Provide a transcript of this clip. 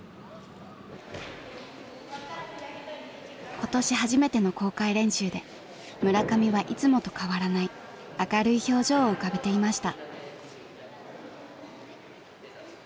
今年初めての公開練習で村上はいつもと変わらない明るい表情を浮かべていました。